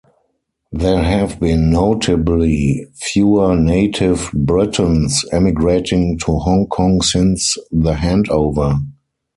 There have been noticeably fewer native Britons emigrating to Hong Kong since the handover.